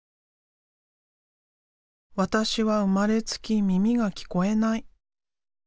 「わたしは生まれつき耳が聞こえない。